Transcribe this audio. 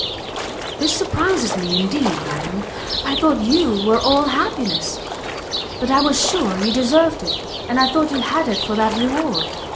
"This surprises me indeed, madam! I thought you were all happiness! but I was sure you deserved it, and I thought you had it for that reward.